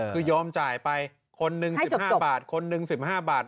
คือยอมจ่ายไปคนหนึ่ง๑๕บาทคนหนึ่ง๑๕บาท